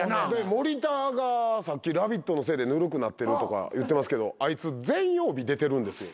森田がさっき『ラヴィット！』のせいでぬるくなってるとか言ってますけどあいつ全曜日出てるんですよ。